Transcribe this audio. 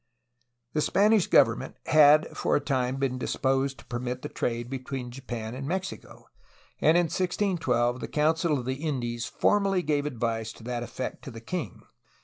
The Spanish government had for a time been disposed to permit of the trade between Japan and Mexico, and in 1612 the Council of the Indies formally gave advice to that effect to the king.